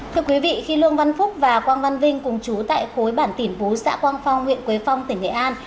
thưa quý vị khi lương văn phúc và quang văn vinh cùng chú tại khối bản tỉ pú xã quang phong huyện quế phong tỉnh nghệ an